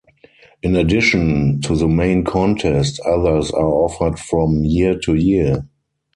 In addition to the main contest, others are offered from year to year.